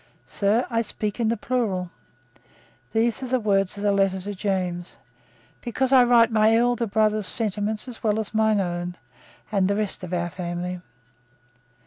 "Sir, I speak in the plural," these are the words of the letter to James, "because I write my elder brother's sentiments as well as my own, and the rest of our family."